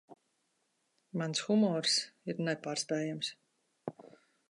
Mans humors ir nepārspējams.